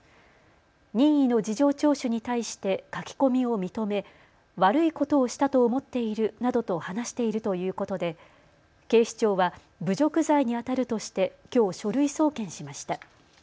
任意の事情聴取に対して書き込みを認め悪いことをしたと思っているなどと話しているということで警視庁は侮辱罪にあたるとしてきょう書類送検しました。